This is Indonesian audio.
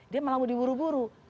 dia malah mau diburu buru